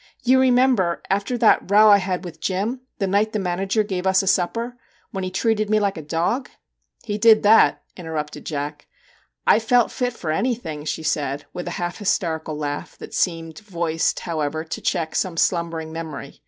' You remember after that row I had with Jim, the night the manager gave us a supper when he treated me like a dog?' '.:' He did that/ interrupted Jack. * I felt fit for anything,' she said, with a half hysterical laugh, that seemed voiced, how ever, to check some slumbering memory.